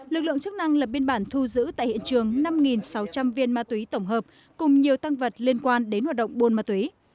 lực lượng chức năng lập biên bản thu giữ tại hiện trường năm sáu trăm linh viên ma túy tổng hợp cùng nhiều tăng vật liên quan đến hoạt động buôn ma túy